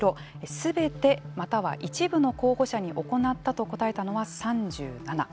すべて、または一部の候補者に行ったと答えたのは３７。